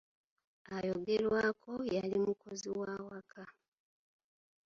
Ayogerwako yali mukozi wa waka.